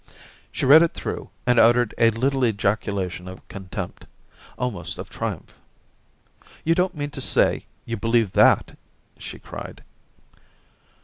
She read it through and uttered a little ejaculation of contempt — almost of triumph. ' You don't mean to say you believe that ?' she cried.